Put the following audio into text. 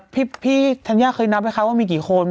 พี่ท่านย่าเคยนับให้เขาว่ามีกลิขนนึง